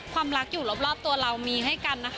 ความรักอยู่รอบตัวเรามีให้กันนะคะ